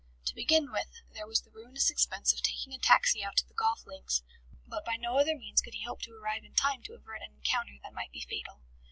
To begin with, there was the ruinous expense of taking a taxi out to the golf links, but by no other means could he hope to arrive in time to avert an encounter that might be fatal.